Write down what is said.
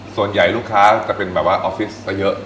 ส่วนใหญ่ลูกค้าจะเป็นแบบว่าออฟฟิศซะเยอะ